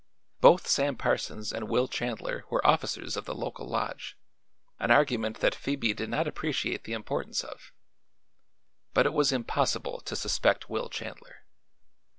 Both Sam Parsons and Will Chandler were officers of the local lodge an argument that Phoebe did not appreciate the importance of. But it was impossible to suspect Will Chandler.